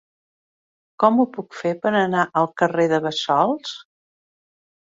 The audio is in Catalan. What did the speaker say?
Com ho puc fer per anar al carrer de Bassols?